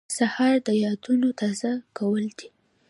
سهار د یادونو تازه کول دي.